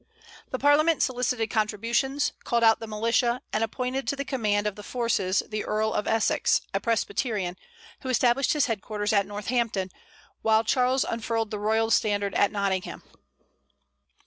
The Parliament solicited contributions, called out the militia, and appointed to the command of the forces the Earl of Essex, a Presbyterian, who established his headquarters at Northampton, while Charles unfurled the royal standard at Nottingham.